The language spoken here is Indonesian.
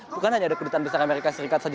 karena hanya ada kedutaan besar amerika serikat saja